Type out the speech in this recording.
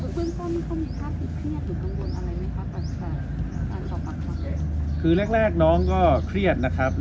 เบื้องต้นเขามีความคิดเครียดหรือกังวลอะไรไหมคะ